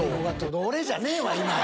俺じゃねえわ今は！